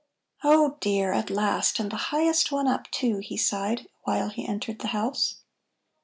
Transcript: "Oh dear, at last! and the highest one up, too," he sighed, while he entered the house.